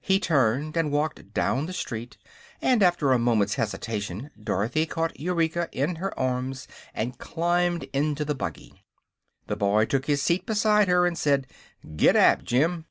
He turned and walked down the street, and after a moment's hesitation Dorothy caught Eureka in her arms and climbed into the buggy. The boy took his seat beside her and said: "Gid dap, Jim."